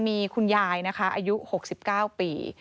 มีคุณยายนะคะอายุ๖๙ปี